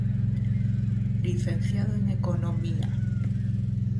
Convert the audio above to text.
Licenciado en Economía.